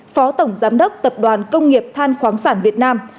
phó tổng giám đốc tập đoàn công nghiệp than khoáng sản việt nam